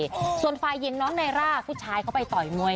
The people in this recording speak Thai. ใช่ส่วนฝ่ายหญิงน้องไนร่าผู้ชายเขาไปต่อยมวย